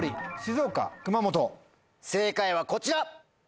正解はこちら！